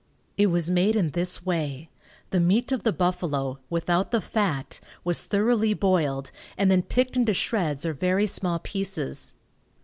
It was made in this way: The meat of the buffalo, without the fat, was thoroughly boiled, and then picked into shreds or very small pieces.